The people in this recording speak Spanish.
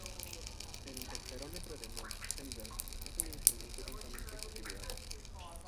El interferómetro de Mach–Zehnder es un instrumento altamente configurable.